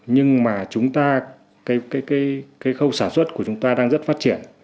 nhưng mà khâu sản xuất của chúng ta đang rất phát triển